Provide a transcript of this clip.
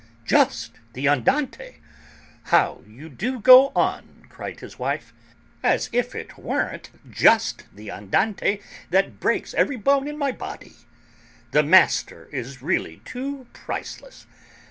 "Just the andante! How you do go on," cried his wife. "As if it weren't 'just the andante' that breaks every bone in my body. The 'Master' is really too priceless!